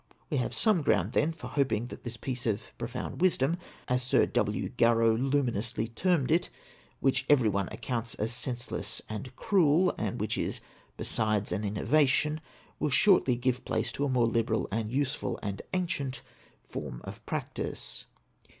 We have some ground, then, for hoping that this piece of "profound wisdom," as Sir W. Garrow luminously termed it, which every one scouts as senseless and cruel, and which is besides an innovation, will shortly give place to a more liberal, and useful, and ancient form of practice.